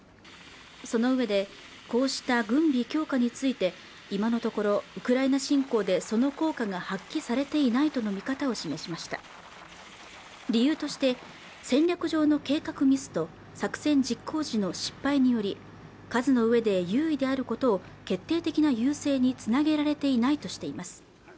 そのうえでこうした軍備強化について今のところウクライナ侵攻でその効果が発揮されていないとの見方を示しました理由として戦略上の計画ミスと作戦実行時の失敗により数の上で優位であることを決定的な優勢につなげられていないとしています